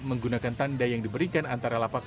menggunakan tanda yang diberikan antara lapak